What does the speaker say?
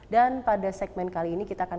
dan pada segmen kali ini kita akan